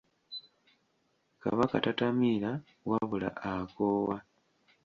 Kabaka tatamiira wabula akoowa.